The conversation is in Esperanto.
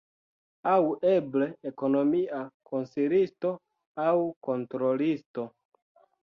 Aŭ eble ekonomia konsilisto aŭ kontrolisto.